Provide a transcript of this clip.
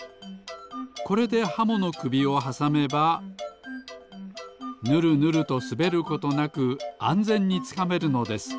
これでハモのくびをはさめばぬるぬるとすべることなくあんぜんにつかめるのです。